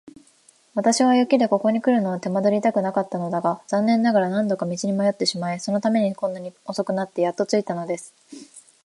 私は雪でここにくるのを手間取りたくなかったのだが、残念ながら何度か道に迷ってしまい、そのためにこんなに遅くなってやっと着いたのです。